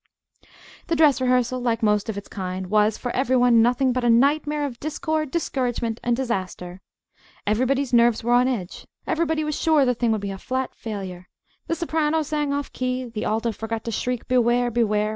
The dress rehearsal, like most of its kind, was, for every one, nothing but a nightmare of discord, discouragement, and disaster. Everybody's nerves were on edge, everybody was sure the thing would be a "flat failure." The soprano sang off the key, the alto forgot to shriek "Beware, beware!"